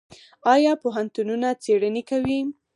آیا پوهنتونونه څیړنې کوي؟